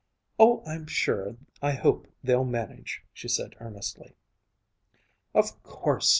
"Oh, I'm sure I hope they'll manage!" she said earnestly. "Of course!